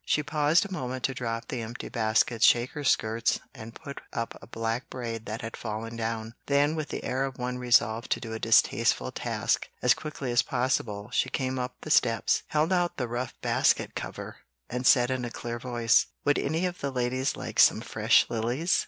She paused a moment to drop the empty baskets, shake her skirts, and put up a black braid that had fallen down; then, with the air of one resolved to do a distasteful task as quickly as possible, she came up the steps, held out the rough basket cover, and said in a clear voice, "Would any of the ladies like some fresh lilies?